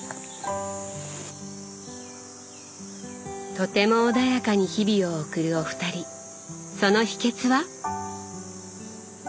とても穏やかに日々を送るお二人その秘けつは？